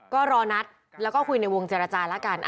ก็รอนัดแล้วก็คุยในวงเจรจาแล้วกัน